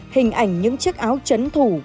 hình ảnh những chiếc áo chấn thủ